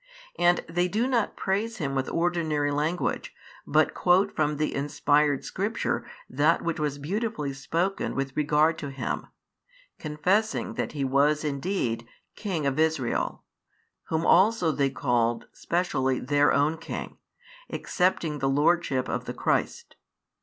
And they do not praise Him with ordinary language, but quote from the inspired Scripture that which was beautifully spoken with regard to Him; confessing that He was indeed King of Israel, Whom also they called specially their own King, accepting the lordship of the Christ.